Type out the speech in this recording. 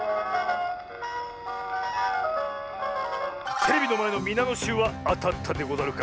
テレビのまえのみなのしゅうはあたったでござるか？